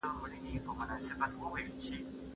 زه به سبا کتابتوننۍ سره وخت تېرووم!؟